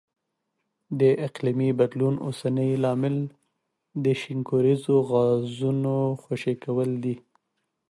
د اقلیمي بدلون اوسنی لامل د شینکوریزو غازونو خوشې کول دي.